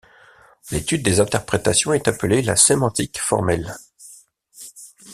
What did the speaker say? L'étude des interprétations est appelée la sémantique formelle.